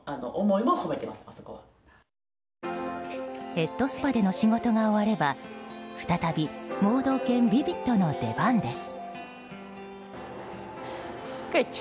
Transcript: ヘッドスパでの仕事が終われば再び盲導犬ヴィヴィッドの出番です。